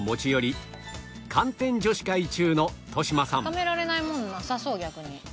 固められないものなさそう逆に。